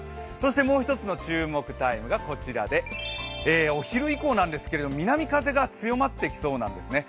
もう一つの注目タイムがこちらでお昼以降なんですけど南風が強まってきそうなんですね。